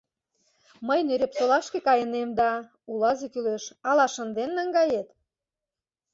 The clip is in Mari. — Мый Нӧрепсолашке кайынем да, улазе кӱлеш, ала шынден наҥгает?..